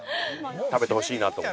食べてほしいなと。